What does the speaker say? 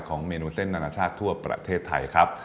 เมนูเส้นนานาชาติทั่วประเทศไทยครับ